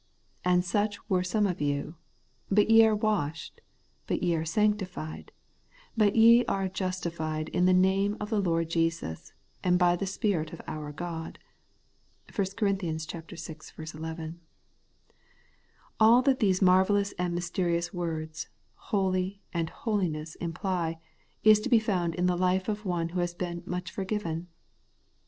'And such were some of you: but ye are washed, but ye are sanctified, but ye are justified in the name of the Lord Jesus, and by the Spirit of our God ' (1 Cor. vi. 1 1). AU that these marvellous and mysterious words ' holy ' and ' holiness ' imply, is to be found in the life of one who has been * much forgiven.'